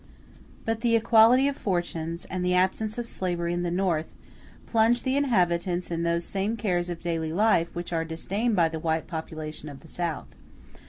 But the equality of fortunes, and the absence of slavery in the North, plunge the inhabitants in those same cares of daily life which are disdained by the white population of the South.